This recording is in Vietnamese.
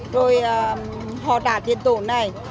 rồi họ trả tiền tổn này